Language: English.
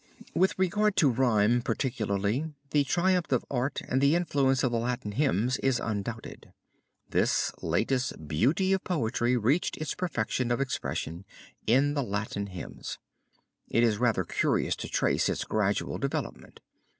With regard to rhyme particularly the triumph of art and the influence of the Latin hymns is undoubted. This latest beauty of poetry reached its perfection of expression in the Latin hymns. It is rather curious to trace its gradual development.